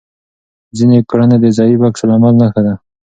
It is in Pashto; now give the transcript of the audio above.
ځینې کړنې د ضعیف عکس العمل نښه ده.